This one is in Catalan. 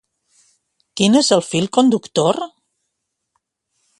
Quin és el fil conductor?